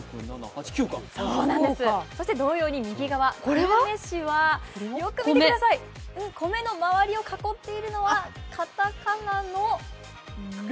そして同様に右側、久留米市はよく見てください、米の周りを囲っているのは片仮名の「ル」。